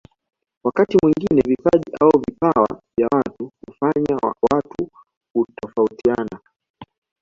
Wakati mwingine vipaji au vipawa vya watu hufanya watu kutofautiana